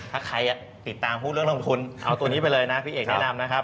ถ้าใครติดตามพูดเรื่องลงทุนเอาตัวนี้ไปเลยนะพี่เอกแนะนำนะครับ